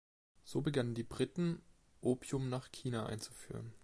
So begannen die Briten, Opium nach China einzuführen.